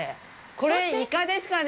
これイカですかね。